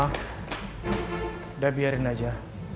udah biarin aja